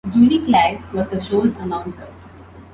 Julie Claire was the show's announcer.